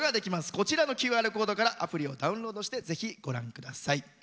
こちらのＱＲコードからアプリをダウンロードしてぜひ、ご覧ください。